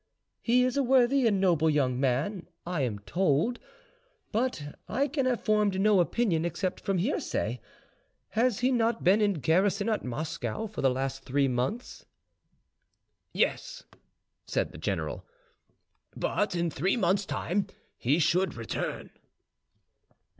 "He is a worthy and noble young man, I am told, but I can have formed no opinion except from hearsay. Has he not been in garrison at Moscow for the last three months?" "Yes," said the general, "but in three months' time he should return."